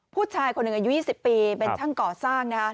ผู้ชายคนอื่นอยู่๒๐ปีเป็นช่างก่อสร้างนะฮะ